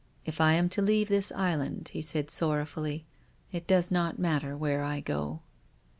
"HI am to leave the island," he said sorrow fully, " it docs not matter where I go."